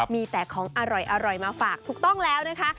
มีแต่ของอร่อยมาฝากถูกต้องแล้วนะคะ